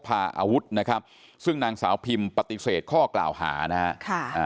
พาอาวุธนะครับซึ่งนางสาวพิมปฏิเสธข้อกล่าวหานะฮะค่ะอ่า